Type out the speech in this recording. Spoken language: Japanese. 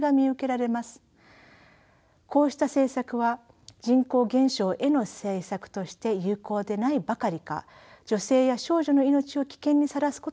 こうした政策は人口減少への政策として有効でないばかりか女性や少女の命を危険にさらすことになりかねません。